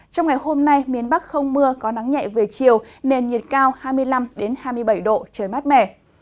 trong ngày hôm nay miền bắc không mưa có nắng nhẹ về chiều nền nhiệt cao hai mươi năm hai mươi bảy độ trời mát mẻ